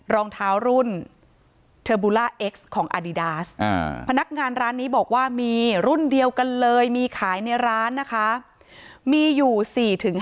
รองเท้ารุ่นเทอร์บูลล่าเอ็กซ์ของอดีดาส